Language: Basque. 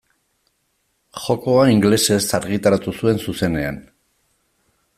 Jokoa ingelesez argitaratu zuen zuzenean.